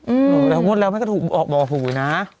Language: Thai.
อืมแล้วหมดแล้วแม่ก็ออกบ่อถูกอีกนะ